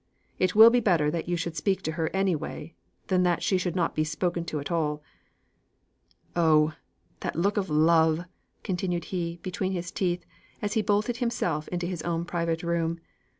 It will be better that you should speak to her any way, than that she should not be spoken to at all. Oh! that look of love!" continued he, between his teeth, as he bolted himself into his own private room.